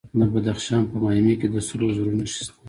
د بدخشان په مایمي کې د سرو زرو نښې شته.